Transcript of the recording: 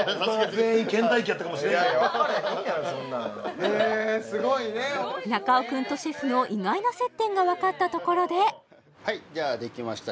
全員倦怠期やったかもしれんやろないやろそんなんへえすごいね中尾くんとシェフの意外な接点がわかったところではいじゃあできました